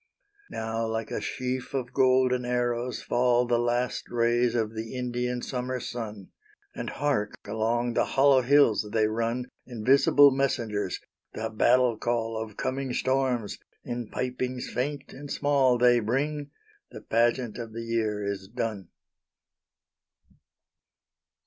Now like a sheaf of golden arrows fall The last rays of the Indian Summer sun; And hark along the hollow hills they run, Invisible messengers, the battle call Of coming storms, in pipings faint and small They bring: the pageant of the year is done.